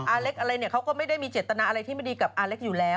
เล็กอะไรเนี่ยเขาก็ไม่ได้มีเจตนาอะไรที่ไม่ดีกับอาเล็กอยู่แล้ว